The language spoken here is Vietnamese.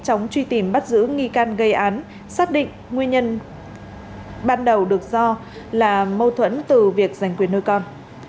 chúng truy tìm bắt giữ nghi can gây án xác định nguyên nhân ban đầu được do là mâu thuẫn từ việc giành quyền nuôi con